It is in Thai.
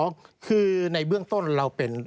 ๒คือในเบื้องต้นเราเป็น